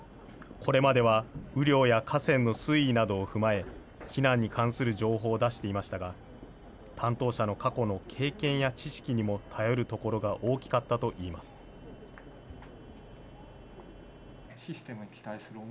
これまでは雨量や河川の水位などを踏まえ、避難に関する情報を出していましたが、担当者の過去の経験や知識にも頼るところが大きかったといいます。